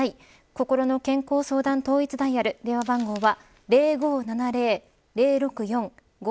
心の健康相談統一ダイヤル電話番号は０５７０‐０６４‐５５６